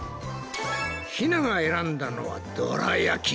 ひなが選んだのはどら焼き。